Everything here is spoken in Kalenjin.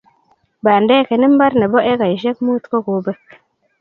Pandek en imbar ne bo ekarishek munt kokopek